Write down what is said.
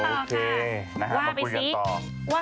โอเคมาคุยกันต่อ